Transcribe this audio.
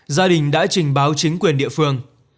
gia đình đã trình báo chính quyền địa phương